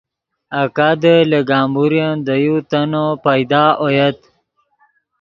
آکادے لے گمبورین دے یو تنّو پیدا اویت